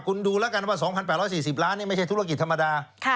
คุณดูแล้วกันว่า๒๘๔๐ล้านนี่ไม่ใช่ธุรกิจธรรมดา